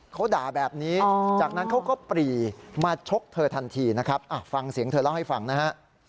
เขาด่าแบบนี้จากนั้นเขาก็ปรีมาชกเธอทันทีนะครับฟังเสียงเธอเล่าให้ฟังนะฮะ